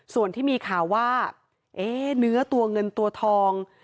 ส่วนที่มีข่าวว่าเนื้อตัวเงินตัวทอง